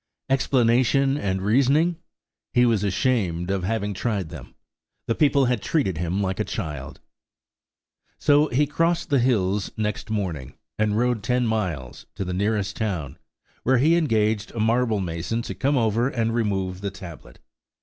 Explanation and reasoning!–he was ashamed of having tried them. The people had treated him like a child. So he crossed the hills next morning, and rode ten miles, to the nearest town, where he engaged a marble mason to come over and remove the tablet.